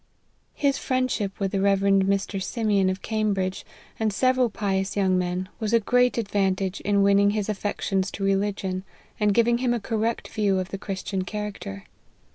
His friendship with the Rev. Mr. Simeon, of Cambridge, and several pious young men, was a great advantage in winning his affections to religion, and giving him a correct view of the Christian cha racter.